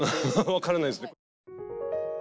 分からないですね。